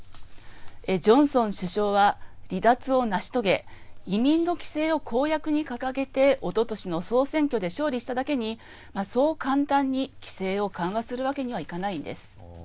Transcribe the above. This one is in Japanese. ジョンソン首相は離脱を成し遂げ移民の規制を公約に掲げておととしの総選挙で勝利しただけに、そう簡単に規制を緩和するわけにはいかないんです。